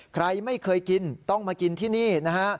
ใครไม่เคยกินต้องมากินที่นี่นะฮะ